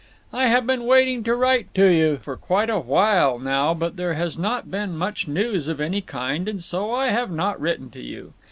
I have been wanting to write to you for quite a while now but there has not been much news of any kind & so I have not written to you.